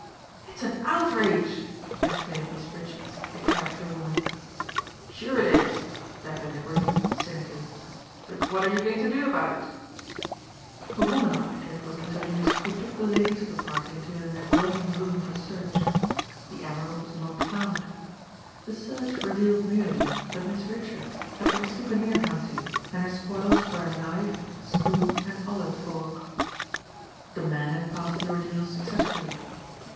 "It's an outrage," exclaimed Miss Richards the character woman. "Sure it is," Devlin agreed cynically, "but what are you going to do about it?" A woman operative was introduced who took the ladies of the party into an adjoining room for search. The emerald was not found. The search revealed merely, that Miss Richards had been souvenir hunting and her spoils were a knife, spoon and olive fork. The men had passed the ordeal successfully.